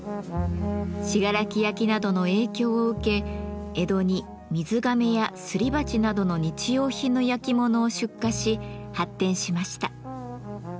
信楽焼などの影響を受け江戸に水がめやすり鉢などの日用品の焼き物を出荷し発展しました。